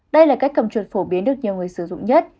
đây là cách cầm chuột phổ biến được nhiều người sử dụng nhất